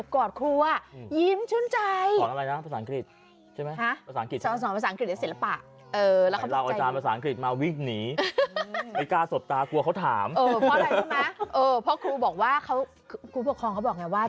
ครูปกครองเขาบอกอย่างนี้ว่า